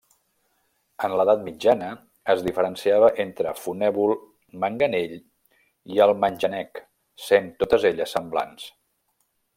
En l'edat mitjana es diferenciava entre fonèvol, manganell i almanjanec, sent totes elles semblants.